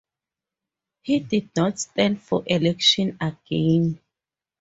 He did not stand for election again.